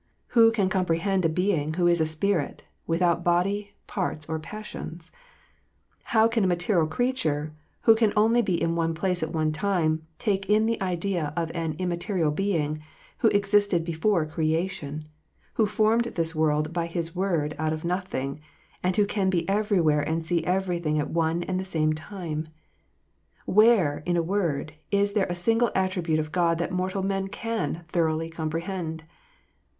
Who can compre hend a Being who is a Spirit, without body, parts, or passions 1 How can a material creature, who can only be in one place at one time, take in the idea of an immaterial Being, who existed before creation, who formed this world by His word out of .nothing, and who can be everywhere and see everything at one and the same time 1 Where, in a word, is there a single attribute of God that mortal man can thoroughly comprehend